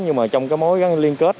nhưng mà trong cái mối gắn liên kết